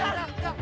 eh tuh mereka tuh